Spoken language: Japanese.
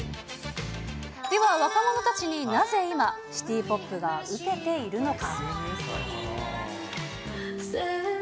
では若者たちに、なぜ今、シティポップが受けているのか。